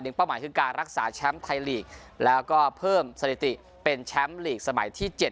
เป้าหมายคือการรักษาแชมป์ไทยลีกแล้วก็เพิ่มสถิติเป็นแชมป์ลีกสมัยที่๗